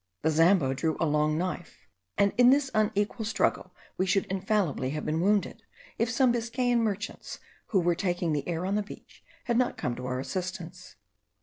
The Zambo drew a long knife; and in this unequal struggle we should infallibly have been wounded, if some Biscayan merchants, who were taking the air on the beach, had not come to our assistance.